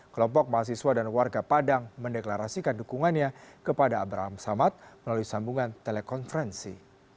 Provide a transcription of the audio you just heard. kelompok mahasiswa dan warga padang mendeklarasikan dukungannya kepada abraham samad melalui sambungan telekonferensi